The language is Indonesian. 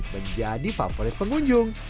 menjadi favorit pengunjung